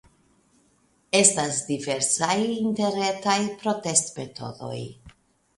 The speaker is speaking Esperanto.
Estas diversaj interretaj protestmetodoj.